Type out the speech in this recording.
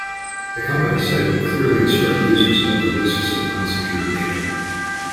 The company said it would clearly instruct users about the risks of unsecured data.